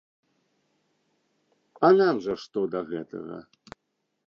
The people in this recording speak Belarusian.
А нам жа што да гэтага?